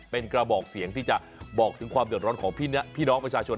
เป็นกระบอกเสียงที่จะบอกถึงความเดือดร้อนของพี่น้องประชาชน